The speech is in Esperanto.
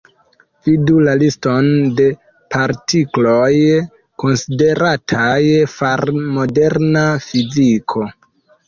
Vidu la liston de partikloj, konsiderataj far moderna fiziko.